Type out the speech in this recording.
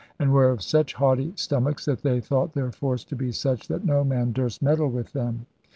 . and were of such haughty stomachs that they thought their force to be such that no man durst meddle with them.